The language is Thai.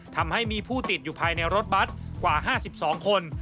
ทำให้มีผู้ติดอยู่ภายในรถบัตรกว่า๕๒คน